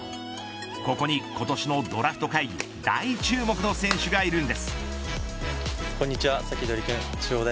ここに、今年のドラフト会議大注目の選手がいるんです。